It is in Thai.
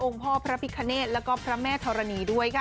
องค์พ่อพระพิฆาเนตและพระแม่ธรณีย์ด้วยค่ะ